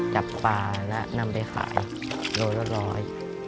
จับปลาและนำไปขายโลละร้อย